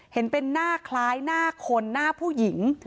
เห็นเป็นหน้าคล้ายหน้าคนหน้าผู้หญิง